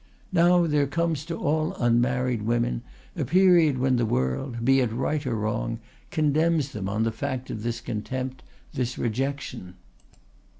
Now, there comes to all unmarried women a period when the world, be it right or wrong, condemns them on the fact of this contempt, this rejection.